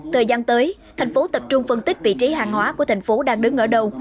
thời gian tới thành phố tập trung phân tích vị trí hàng hóa của thành phố đang đứng ở đầu